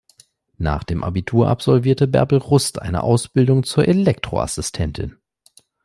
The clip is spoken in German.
Nach dem Abitur absolvierte Bärbel Rust eine Ausbildung zur Elektro-Assistentin.